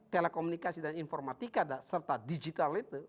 telekomunikasi dan informatika serta digital itu